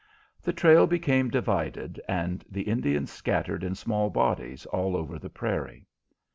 The trail became divided, and the Indians scattered in small bodies all over the prairie.